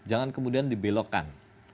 jangan kemudian dibelokkan